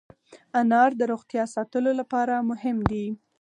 انار د روغتیا ساتلو لپاره مهم دی.